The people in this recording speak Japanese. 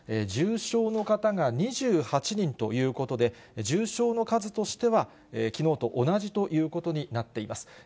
重症の方が２８人ということで、重症の数としてはきのうと同じということになっています。